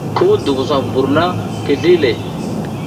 Ki wuɗ duvus a vi mbur na, ki sli ləh.